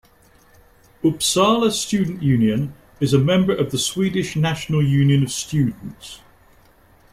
Uppsala Student Union is a member of the Swedish National Union of Students.